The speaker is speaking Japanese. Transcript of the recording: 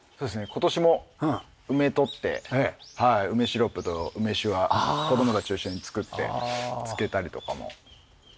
今年も梅取って梅シロップと梅酒は子供たちと一緒に作って漬けたりとかも。